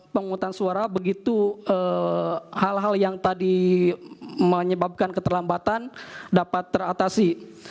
pemungutan suara begitu hal hal yang tadi menyebabkan keterlambatan dapat teratasi